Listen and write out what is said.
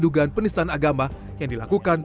dugaan penistaan agama yang dilakukan